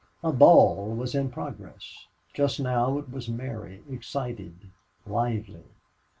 A ball was in progress. Just now it was merry, excited, lively.